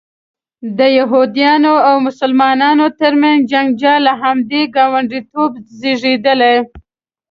د یهودانو او مسلمانانو ترمنځ جنجال له همدې ګاونډیتوبه زیږېدلی.